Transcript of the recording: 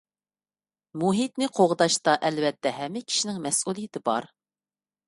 مۇھىتنى قوغداشتا ئەلۋەتتە ھەممە كىشىنىڭ مەسئۇلىيىتى بار.